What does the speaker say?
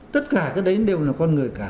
tất cả cái đấy đều là con người cả